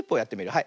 はい。